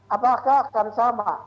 apakah akan sama